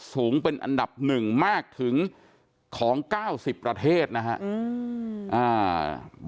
สูงเป็นอันดับหนึ่งมากถึงของเก้าสิบประเทศนะครับ